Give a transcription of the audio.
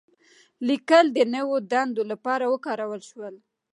لیکل د نوو دندو لپاره وکارول شول.